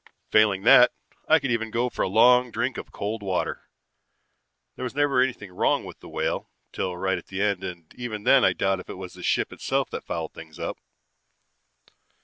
Failing that, I could even go for a long drink of cold water. There was never anything wrong with the Whale till right at the end and even then I doubt if it was the ship itself that fouled things up.